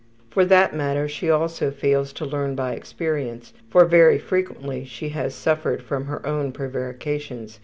For that matter, she also fails to learn by experience, for very frequently she has suffered from her own prevarications.